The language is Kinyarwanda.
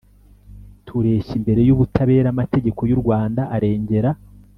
tureshya imbere y'ubutabera . amategeko y'u rwanda arengera